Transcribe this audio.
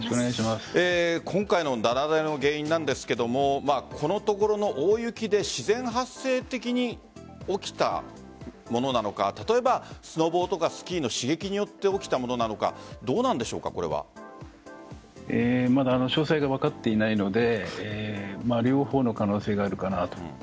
今回の雪崩の原因なんですがこのところの大雪で自然発生的に起きたものなのか例えばスノボやスキーの刺激によって起きたものなのかまだ詳細が分かっていないので両方の可能性があるかなと。